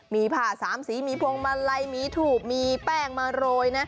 มีผ้าสามสีมีพวงมาลัยมีถูบมีแป้งมาโรยนะ